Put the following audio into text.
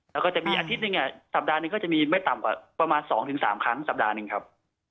แล้วก็จะมีอาทิตย์หนึ่งสัปดาห์หนึ่งก็จะมีไม่ต่ำกว่าประมาณ๒๓ครั้งสัปดาห์หนึ่งครับ